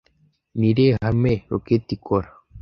Ni irihe hame Roketi ikora